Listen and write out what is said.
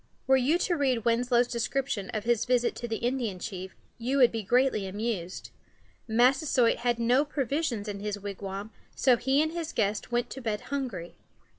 Were you to read Winslow's description of his visit to the Indian chief, you would be greatly amused. Massasoit had no provisions in his wigwam, so he and his guests went to bed hungry.